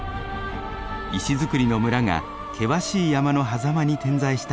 石造りの村が険しい山のはざまに点在した地域です。